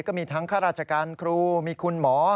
ก็มีทั้งข้าราชการครูมีคุณหมอ